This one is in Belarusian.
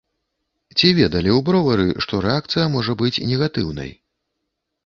Ці ведалі ў бровары, што рэакцыя можа быць негатыўнай?